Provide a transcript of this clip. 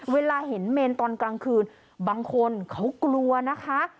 เวลาเห็นเมนตอนกลางคืนบางคนเขากลัวนะคะ